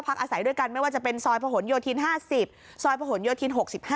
อาศัยด้วยกันไม่ว่าจะเป็นซอยผนโยธิน๕๐ซอยประหลโยธิน๖๕